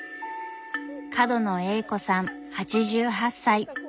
角野栄子さん８８歳。